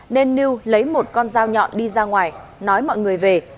nên lưu lấy một con dao nhọn đi ra ngoài nói mọi người về